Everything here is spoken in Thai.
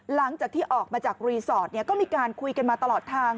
หลังจากที่ออกมาจากรีสอร์ทก็มีการคุยกันมาตลอดทาง